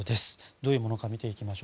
どういうものか見ていきます。